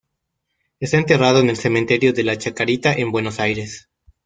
Está enterrado en el cementerio de la Chacarita, en Buenos Aires.